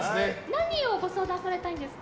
何をご相談されたいんですか？